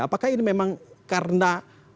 apakah ini memang karena